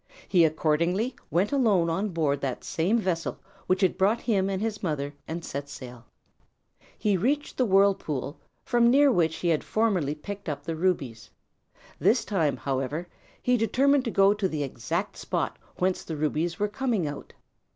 He accordingly went alone on board that same vessel which had brought him and his mother, and set sail. He reached the whirlpool, from near which he had formerly picked up the rubies. This time, however, he determined to go to the exact spot whence the rubies were coming out.